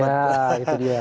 ya itu dia